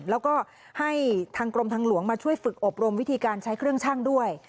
แล้วก็ให้ทางกรมทางหลวงมาช่วยฝึกอบรมวิธีการใช้เครื่องชั่งด้วย